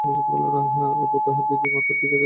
অপু তাহার দিদির মাথার কাছে বসিয়া জলপটি দিতেছিল।